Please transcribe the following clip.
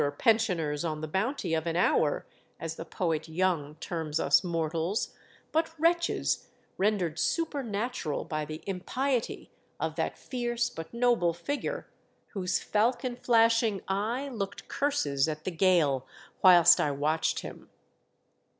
"pensioners on the bounty of an hour," as the poet Young terms us mortals, but wretches, rendered supernatural by the impiety of that fierce but noble figure, whose falcon flashing eye looked curses at the gale whilst I watched him.